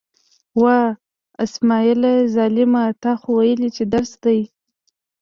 وه! اسمعیله ظالمه، تا خو ویل چې درس دی.